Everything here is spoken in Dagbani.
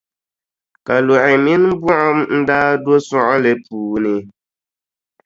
Kaluɣi mini buɣum n-daa do suɣuli puuni.